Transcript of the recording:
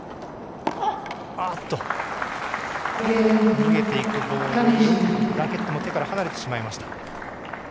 逃げていくボールにラケットも手から離れてしまいました。